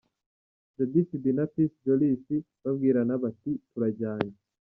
Jody Phibi na Peace Jolis babwirana bati "turajyanye".